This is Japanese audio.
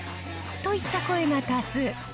といった声が多数。